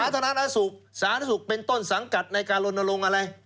สาธารณสุขเป็นต้นสังกัดในการลงอะไร